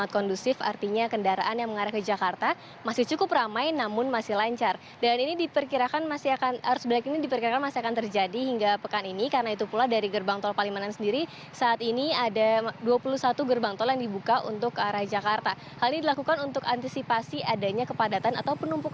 kondisi di gerbang tol palimanan